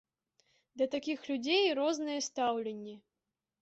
Да такіх людзей рознае стаўленне.